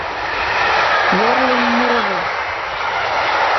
Йорлын мурыжо